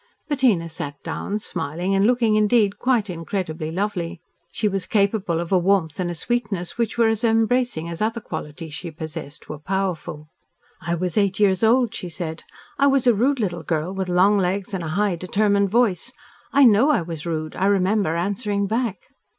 Bettina sat down, smiling and looking, indeed, quite incredibly lovely. She was capable of a warmth and a sweetness which were as embracing as other qualities she possessed were powerful. "I was eight years old," she said. "I was a rude little girl, with long legs and a high, determined voice. I know I was rude. I remember answering back."